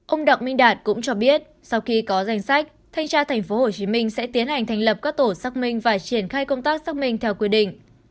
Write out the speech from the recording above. ông đặng minh đạt cũng cho biết sau khi có danh sách thanh tra tp hcm sẽ tiến hành thành lập các tổ xác minh và triển khai công tác xác minh theo quy định